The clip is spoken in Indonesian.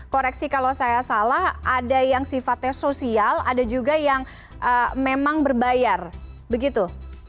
koreksi kalau saya salah ada yang sifatnya sosial ada juga yang memang berbayar begitu